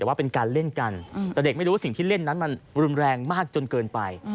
แต่ว่าเป็นการเล่นกันแต่เด็กไม่รู้ว่าสิ่งที่เล่นนั้นมันรุนแรงมากจนเกินไป